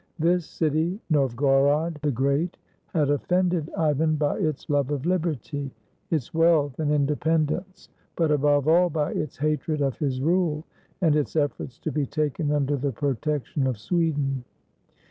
This city, "Novgorod the Great," had offended Ivan by its love of liberty, its wealth and independence, but, above all, by its hatred of his rule, and its efforts to be taken under the protection of Sweden.